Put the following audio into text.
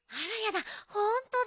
ほんとだ。